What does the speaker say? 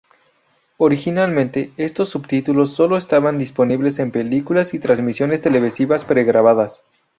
Originalmente, estos subtítulos solo estaban disponibles en películas y transmisiones televisivas pregrabadas.